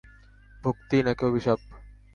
ভক্তি, নাকি অভিশাপ!